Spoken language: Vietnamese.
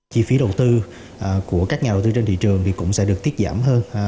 chi phí đầu tư của các nhà đầu tư trên thị trường thì cũng sẽ được tiết giảm hơn